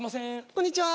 こんにちは